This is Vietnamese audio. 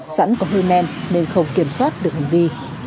sẵn có hơi men nên không kiểm soát được hành vi